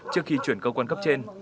trước khi chuyển cơ quan cấp trên